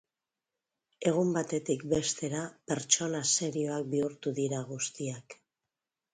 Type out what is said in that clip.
Egun batetik bestera pertsona serioak bihurtu dira guztiak.